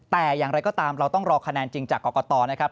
แต่อย่างไรก็ตามเราต้องรอคะแนนจริงจากกรกตนะครับ